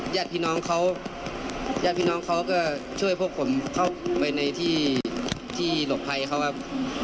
แยดพี่น้องเขาก็ช่วยพวกผมเข้าไปในที่หลบไพรเขาครับ